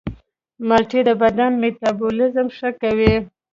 مالټې د بدن میتابولیزم ښه کوي.